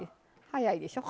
早いでしょ？